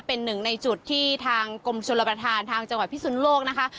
เป็นหนึ่งในจุดที่ทางกรมชนประธานทางจังหวัดพิสุนโลกนะคะ